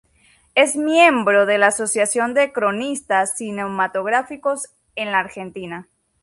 Es miembro de la Asociación de Cronistas Cinematográficos de la Argentina.